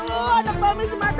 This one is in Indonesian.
wah aku merasa sakit